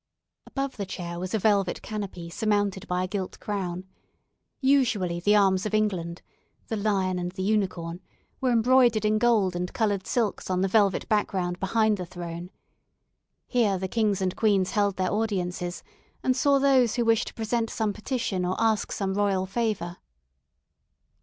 Above the chair was a velvet canopy surmounted by a gilt crown. Usually the arms of England (the "Lion and the Unicorn") were embroidered in gold and coloured silks on the velvet background behind the throne. Here the kings and queens held their audiences, and saw those who wished to present some petition or ask some royal favour.